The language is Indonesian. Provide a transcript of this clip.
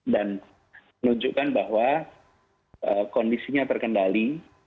dan menunjukkan bahwa kondisinya terkendali